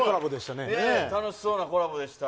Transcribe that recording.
ねえ、楽しそうなコラボでした。